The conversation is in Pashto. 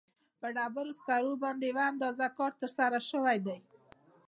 په ډبرو سکرو باندې یو اندازه کار ترسره شوی دی.